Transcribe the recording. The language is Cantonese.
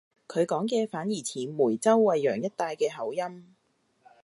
佢講嘅反而似梅州惠陽一帶嘅口音